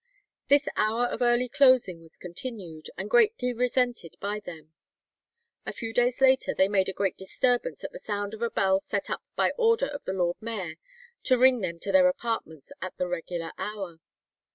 This hour of early closing was continued, and greatly resented by them. A few days later they made a great disturbance at the sound of a bell set up by order of the lord mayor to ring them to their apartments at the regular hour.